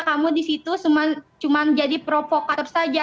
kamu disitu cuma jadi provokator saja